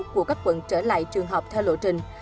của các quận trở lại trường học theo lộ trình